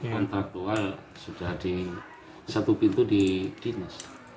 kontraktual sudah ada satu pintu di dinas